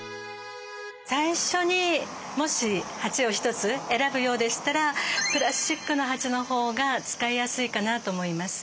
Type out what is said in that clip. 最初にもし鉢を一つ選ぶようでしたらプラスチックの鉢の方が使いやすいかなと思います。